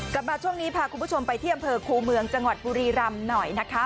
กลับมาช่วงนี้พาคุณผู้ชมไปที่อำเภอคูเมืองจังหวัดบุรีรำหน่อยนะคะ